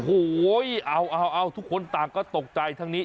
โอ้โหเอาทุกคนต่างก็ตกใจทั้งนี้